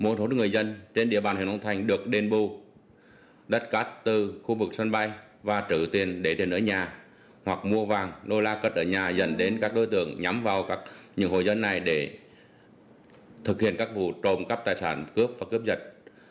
một số người dân trên địa bàn huyện long thành được đền bù đất cát từ khu vực sân bay và trữ tiền để tiền ở nhà hoặc mua vàng nô la cất ở nhà dẫn đến các đối tượng nhắm vào những hồ dân này để thực hiện các vụ trộm cắp tài sản cướp và cướp giật